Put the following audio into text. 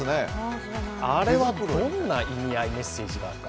あれはどんな意味合いメッセージがあるか。